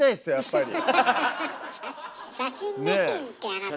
写真メインってあなた。